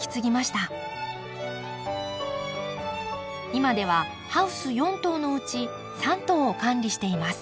今ではハウス４棟のうち３棟を管理しています。